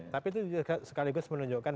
tapi itu sekaligus menunjukkan